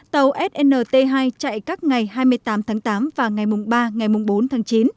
tàu snt hai chạy các ngày hai mươi tám tháng tám và ngày mùng ba ngày mùng bốn tháng chín